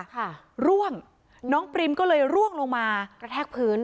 ค่ะร่วงน้องปริมก็เลยร่วงลงมากระแทกพื้น